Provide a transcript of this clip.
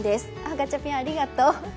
ガチャピン、ありがとう。